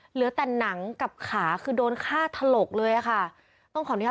เหลือแต่หนังกับขาคือโดนฆ่าถลกเลยค่ะต้องขอบถึงค่ะ